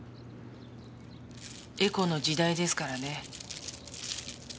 エコの時代ですからね。